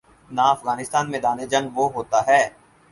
نہ افغانستان میدان جنگ وہ ہوتا ہے۔